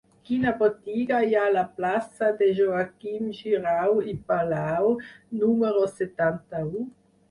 Quina botiga hi ha a la plaça de Joaquim Xirau i Palau número setanta-u?